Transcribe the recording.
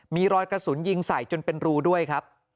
มีรอยกระสุนยิงใส่จนเป็นรูด้วยครับ